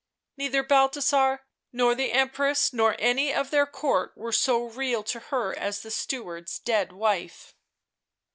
Neither Balthasar, nor the Empress, nor any of their Court were so real to her as the steward's dead wife.